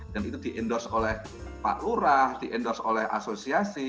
dan itu di endorse oleh pak lurah di endorse oleh asosiasi